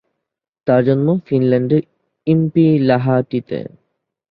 তার জন্ম ফিনল্যান্ডের ইম্পিলাহাটিতে।